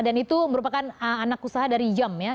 dan itu merupakan anak usaha dari yum ya